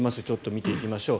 見ていきましょう。